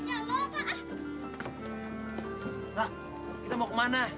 mau ke pasoknya lo pak